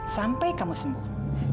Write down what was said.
sampai kamu sembuh